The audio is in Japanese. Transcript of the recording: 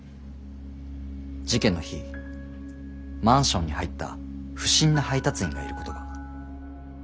事件の日マンションに入った不審な配達員がいることが。